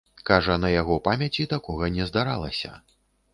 Кажа, на яго памяці такога не здаралася.